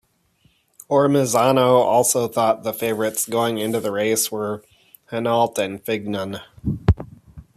Ormezzano also thought the favorites going into the race were Hinault and Fignon.